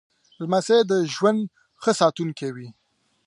لمسی د ژوند ښه ساتونکی وي.